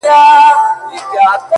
• زموږ وطن كي اور بل دی ـ